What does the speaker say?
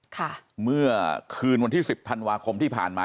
ค่ะเมื่อคืนวันที่สิบธันวาคมที่ผ่านมา